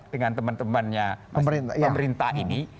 dengan teman temannya pemerintah ini